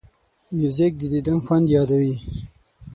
موزیک د دیدن خوند یادوي.